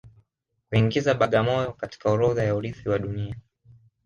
Kuingiza Bagamoyo katika orodha ya urithi wa Dunia